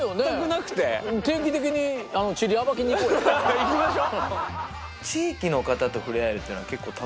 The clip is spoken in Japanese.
行きましょう。